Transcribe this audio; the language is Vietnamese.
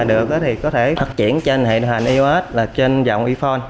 nếu mà được thì có thể phát triển trên hệ hình ios là trên dòng iphone